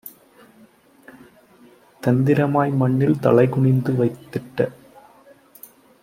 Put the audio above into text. தந்திரமாய் மண்ணில் தலைகுனிந்து வைத்திட்ட